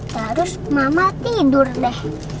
terus mama tidur deh